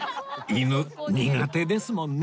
犬苦手ですもんね